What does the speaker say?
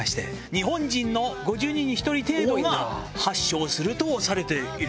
日本人の５０人に１人程度が発症するとされている。